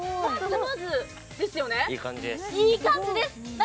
いい感じです。